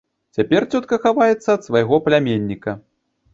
Цяпер цётка хаваецца ад свайго пляменніка.